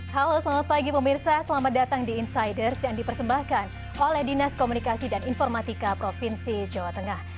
halo selamat pagi pemirsa selamat datang di insiders yang dipersembahkan oleh dinas komunikasi dan informatika provinsi jawa tengah